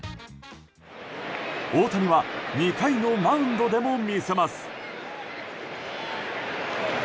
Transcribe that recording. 大谷は２回のマウンドでも見せます。